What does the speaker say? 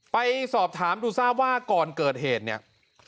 ไปสอบถามดูทราบว่าก่อนเกิดเหตุเนี่ย